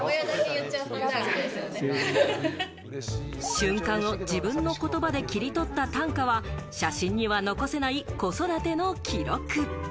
瞬間を自分の言葉で切り取った短歌は写真には残せない子育ての記録。